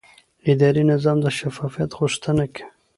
اداري نظام د شفافیت غوښتنه کوي.